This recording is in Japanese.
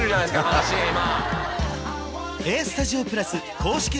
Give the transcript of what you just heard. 話今！